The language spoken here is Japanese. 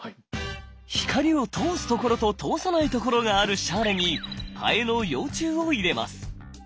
光を通す所と通さない所があるシャーレにハエの幼虫を入れます。